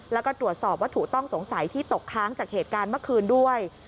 แล้วก็ตรวจสอบวัตถุต้องสงสัยที่ตกค้างจากเหตุการณ์เมื่อคืนด้วย